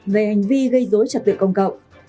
về hành vi gây dối trật tự công cộng